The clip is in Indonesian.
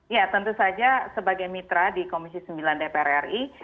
ya tentu saja sebagai mitra di komisi sembilan dpr ri